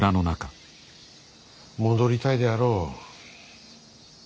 戻りたいであろう。